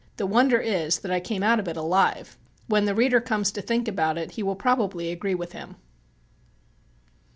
The wonder is that I came out of it alive." When the reader comes to think about it he will probably agree with him.